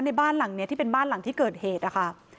ในบ้านหลังนี้ที่เป็นบ้านหลังที่เกิดเหตุนะคะ